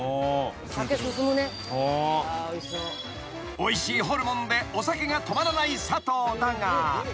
［おいしいホルモンでお酒が止まらない佐藤だが］